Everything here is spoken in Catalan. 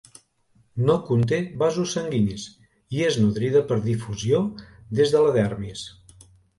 No conté vasos sanguinis, i és nodrida per difusió des de la dermis.